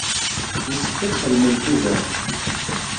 Yessefk ad txedmemt ugar.